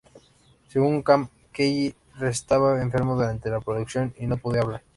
Según Kahn, Kelly estaba enfermo durante la producción y no podía hablar.